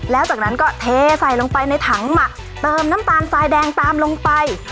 แล้วจากนั้นก็เทใส่ลงไปในถังหมักเติมน้ำตาลทรายแดงตามลงไป